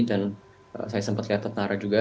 dan saya sempat lihat tentara juga